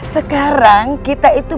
sekarang kita itu